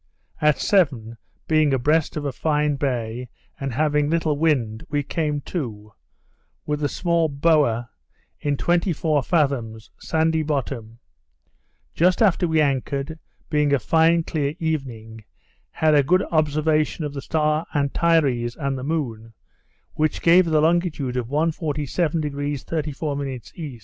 At seven, being abreast of a fine bay, and having little wind, we came to, with the small bower, in twenty four fathoms, sandy bottom. Just after we anchored, being a fine clear evening, had a good observation of the star Antares and the moon, which gave the longitude of 147° 34' E.